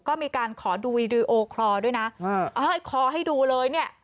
ก็มีการขอดูวีดีโอคอร์ด้วยนะเอ้ยคอให้ดูเลยเนี่ย